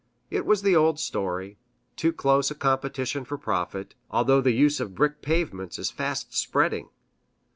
It was the old story, too close a competition for profit, although the use of brick pavements is fast spreading.